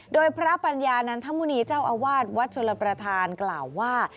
โดยพระปัญญานันทมุณีเจ้าอาวาสวัดชลประธานกล่าวว่า